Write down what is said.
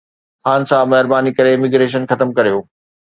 خان صاحب، مهرباني ڪري اميگريشن ختم ڪريو